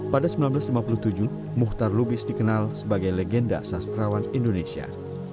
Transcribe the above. pada seribu sembilan ratus lima puluh tujuh muhtar lubis dikenal sebagai legenda sastrawan indonesia